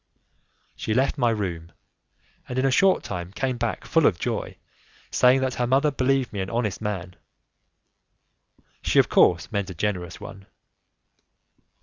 She left my room, and in a short time came back full of joy, saying that her mother believed me an honest man; she of course meant a generous one.